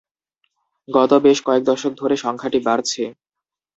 গত বেশ কয়েক দশক ধরে সংখ্যাটি বাড়ছে।